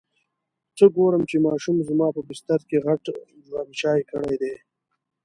څه ګورم چې ماشوم زما په بستره کې غټ جواب چای کړی دی.